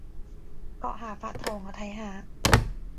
閣下發圖我睇下